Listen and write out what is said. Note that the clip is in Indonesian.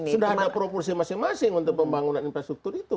ya itu berdasarkan proporsi masing masing untuk pembangunan infrastruktur itu